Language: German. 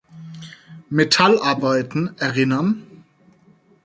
Metallarbeiten erinnern.